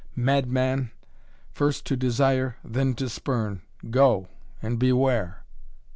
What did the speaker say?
Madman! First to desire, then to spurn. Go! And beware!"